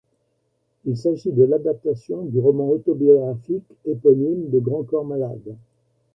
Il s'agit de l'adaptation du roman autobiographique éponyme de Grand Corps Malade.